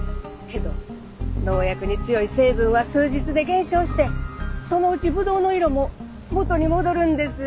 けど農薬に強い成分は数日で減少してそのうちぶどうの色も元に戻るんです。